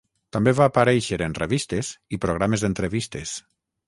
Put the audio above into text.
També va aparèixer en revistes i programes d'entrevistes.